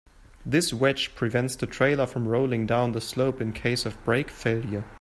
This wedge prevents the trailer from rolling down the slope in case of brake failure.